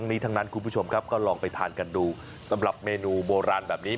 ทั้งนั้นคุณผู้ชมครับก็ลองไปทานกันดูสำหรับเมนูโบราณแบบนี้